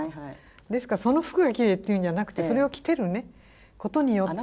ですからその服がきれいっていうんじゃなくてそれを着てることによって。